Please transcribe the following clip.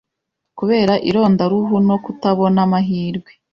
kubera irondaruhu no, kutabona amahirwe.